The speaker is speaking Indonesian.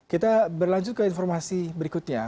kita berlanjut ke informasi berikutnya